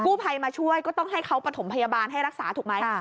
ผู้ภัยมาช่วยก็ต้องให้เขาประถมพยาบาลให้รักษาถูกไหม